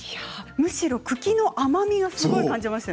むしろ茎の甘みをすごく感じました。